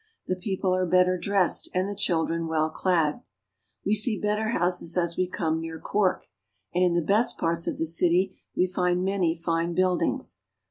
The people are better dressed and the children well clad. We see better houses as we come near Cork, and in the best parts of the A farmhouse. city we find many fine buildings.